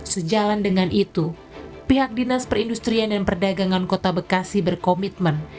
sejalan dengan itu pihak dinas perindustrian dan perdagangan kota bekasi berkomitmen